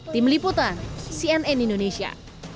tim liputan cnn indonesia